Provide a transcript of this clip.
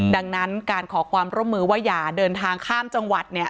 ดังนั้นการขอความร่วมมือว่าอย่าเดินทางข้ามจังหวัดเนี่ย